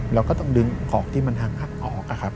แล้วก็ต้องดึงของที่มันหักออก